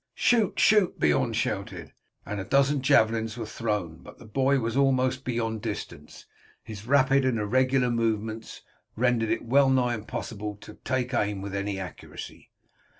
"Shoot! shoot!" Beorn shouted, and a dozen javelins were thrown, but the boy was almost beyond distance, and his rapid and irregular movements rendered it well nigh impossible to take aim with any accuracy.